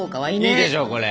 いいでしょこれ。